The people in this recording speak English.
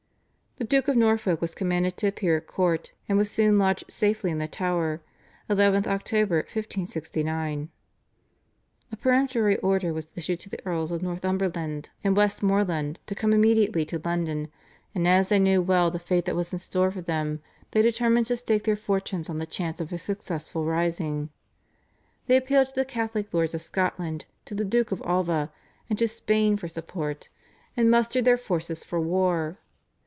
The Duke of Norfolk was commanded to appear at court and was soon lodged safely in the Tower (11th Oct., 1569). A peremptory order was issued to the Earls of Northumberland and Westmoreland to come immediately to London, and as they knew well the fate that was in store for them they determined to stake their fortunes on the chance of a successful rising. They appealed to the Catholic lords of Scotland, to the Duke of Alva, and to Spain for support, and mustered their forces for war.